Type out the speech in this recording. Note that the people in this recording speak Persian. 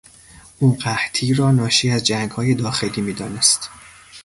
او قحطی را ناشی از جنگهای داخلی میدانست.